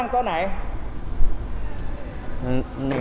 นั่งอยู่ด้านนี้